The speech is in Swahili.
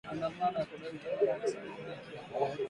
maandamano ya kudai utawala wa kiraia na haki kwa wale